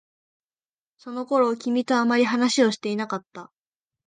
その頃、君とあまり話をしていなかった。